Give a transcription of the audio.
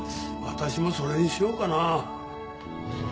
私もそれにしようかな。